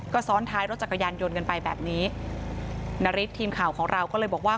ก็ซ้อนท้ายรถจักรยานยนต์กันไปแบบนี้นาริสทีมข่าวของเราก็เลยบอกว่า